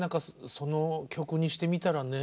その曲にしてみたらね